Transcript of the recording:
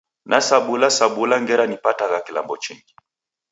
Nasabulasabula ngera nipatagha kindo chingi.